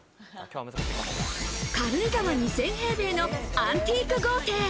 軽井沢に２０００平米のアンティーク豪邸。